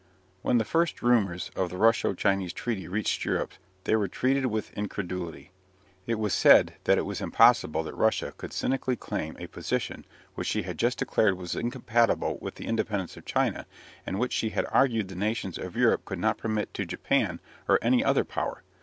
When the first rumours of the Russo Chinese Treaty reached Europe they were treated with incredulity. It was said that it was impossible that Russia could cynically claim a position which she had just declared was incompatible with the independence of China, and which she had argued the nations of Europe could not permit to Japan or any other Power.